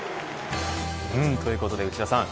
ということで内田さん。